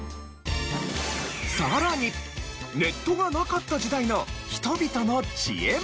さらにネットがなかった時代の人々の知恵も。